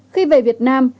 khi về việt nam